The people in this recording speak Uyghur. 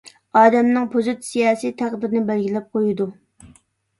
ئادەمنىڭ پوزىتسىيەسى تەقدىرىنى بەلگىلەپ قويىدۇ.